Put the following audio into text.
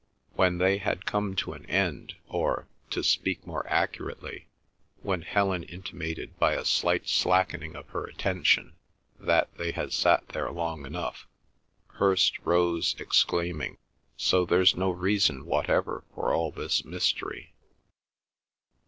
When they had come to an end, or, to speak more accurately, when Helen intimated by a slight slackening of her attention that they had sat there long enough, Hirst rose, exclaiming, "So there's no reason whatever for all this mystery!"